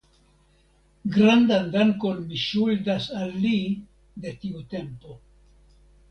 Grandan dankon mi ŝuldas al li de tiu tempo.